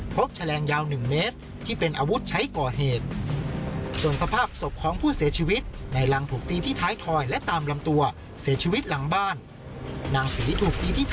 แฉลงยาว๑เมตรที่เป็นอาวุธใช้ก่อเหตุ